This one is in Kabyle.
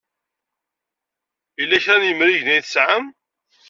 Yella kra n yimrigen ay tesɛam?